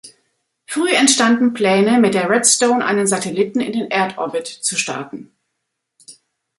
Früh entstanden Pläne, mit der Redstone einen Satelliten in den Erdorbit zu starten.